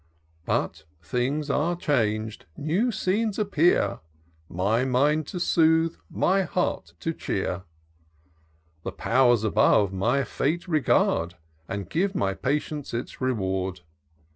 But things are chang'd ; new scenes appear, My mind to soothe, my heart to cheer ; The Pow'rs above my fate regard. And give my patience its reward.